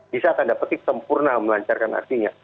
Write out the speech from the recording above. bisa tanda petik sempurna melancarkan aksinya